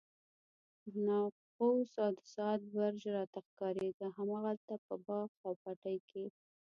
ناقوس او د ساعت برج راته ښکارېده، همالته په باغ او پټي کې.